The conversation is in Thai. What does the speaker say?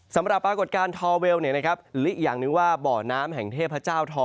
สำหรับปรากฏการณ์ทอเวลหรืออีกอย่างนึงว่าบ่อน้ำแห่งเทพเจ้าทอ